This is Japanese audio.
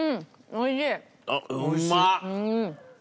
おいしい！